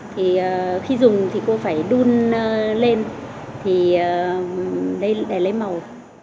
thì khi dùng thì cô phải đun lên thì để lấy màu